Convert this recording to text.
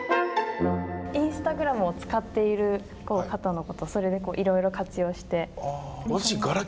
インスタグラムを使っている方のこと、それでいろいろ活用している。